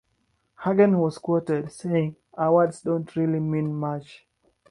Hagen was quoted, saying, Awards don't really mean much.